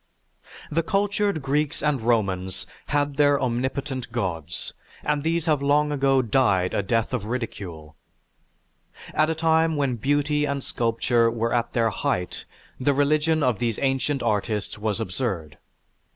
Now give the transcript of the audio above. "_) The cultured Greeks and Romans had their omnipotent gods and these have long ago died a death of ridicule. At a time when beauty and sculpture were at their height the religion of these ancient artists was absurd.